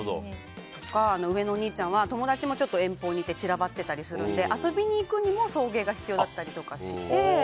上のお兄ちゃんは友達も遠方にいて散らばってたりするので遊びに行くにも送迎が必要だったりして。